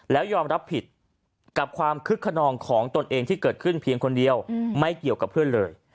แล้วยอมรับผิดกับความคึกขนองของตนเองที่เกิดขึ้นเพียงคนเดียวไม่เกี่ยวกับเพื่อนเลย